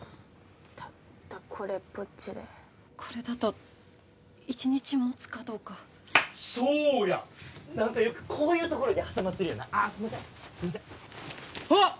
たったこれっぽっちでこれだと１日もつかどうかそうや何かよくこういうところに挟まってるよなああすいませんすいませんあっ！